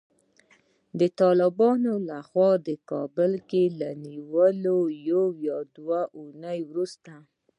د طالبانو له خوا د کابل له نیولو یوه یا دوې اوونۍ وروسته